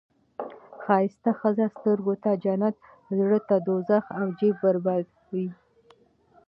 ښایسته ښځه سترګو ته جنت، زړه ته دوزخ او جیب بربادي وي.